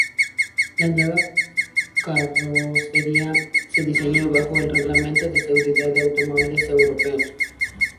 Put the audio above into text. La nueva carrocería se diseñó bajo el reglamento de seguridad de automóviles europeos.